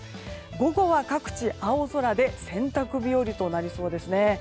午後は各地、青空で洗濯日和となりそうですね。